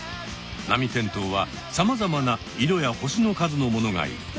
ナミテントウはさまざまな色や星の数のものがいる。